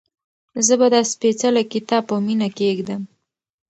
زه به دا سپېڅلی کتاب په مینه کېږدم.